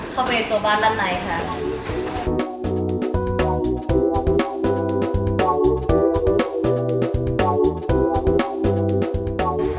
เข้าไปในตัวบ้านด้านในค่ะ